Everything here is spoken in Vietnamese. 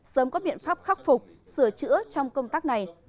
sớm có biện pháp khắc phục sửa chữa trong công tác này